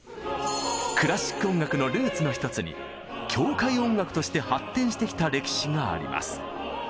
クラシック音楽のルーツの一つに教会音楽として発展してきた歴史があります。